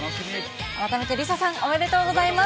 改めてＬｉＳＡさん、おめでとうございます。